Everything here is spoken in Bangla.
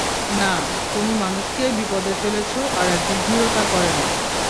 না, তুমি মানুষকে বিপদে ফেলেছ আর একজন হিরো তা করে না।